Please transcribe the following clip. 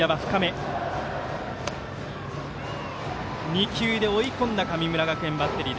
２球で追い込んだ神村学園バッテリー。